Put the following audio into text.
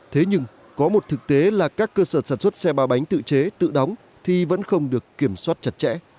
thế nhưng có một thực tế là các cơ sở sản xuất xe ba bánh tự chế tự đóng thì vẫn không được kiểm soát chặt chẽ